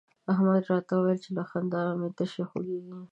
احمد راته وويل چې له خندا مې تشي خوږېږي.